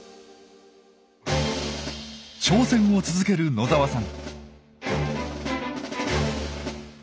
挑戦を続ける野澤さん。